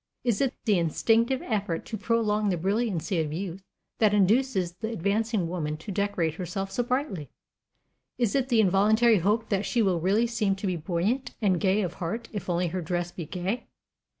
Is it the instinctive effort to prolong the brilliancy of youth that induces the advancing woman to decorate herself so brightly? Is it the involuntary hope that she will really seem to be buoyant and gay of heart if only her dress be gay?